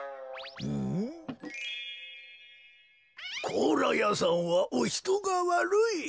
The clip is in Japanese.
甲羅屋さんはおひとがわるい。